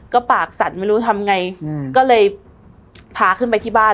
ก็ปากสั่นไม่รู้ทำไงก็เลยพาขึ้นไปที่บ้าน